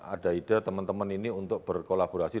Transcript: ada ide teman teman ini untuk berkolaborasi